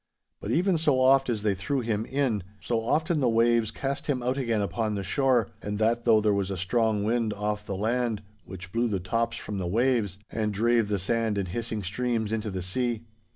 But even so oft as they threw him in, so often the waves cast him out again upon the shore; and that though there was a strong wind off the land, which blew the tops from the waves and drave the sand in hissing streams into the sea.